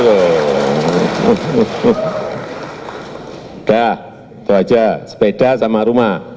sudah itu aja sepeda sama rumah